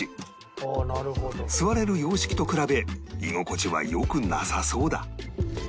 座れる洋式と比べ居心地は良くなさそうだ